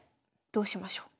どうしましょう？